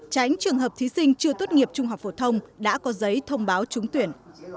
tránh trường hợp thí sinh chưa tốt nghiệp trung học phổ thông đã có giấy thông báo trúng tuyển